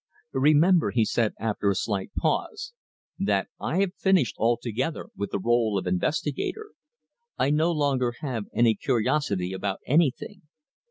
"Remember," he said, after a slight pause, "that I have finished altogether with the role of investigator. I no longer have any curiosity about anything.